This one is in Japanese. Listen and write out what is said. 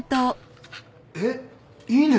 ・えっいいんですか？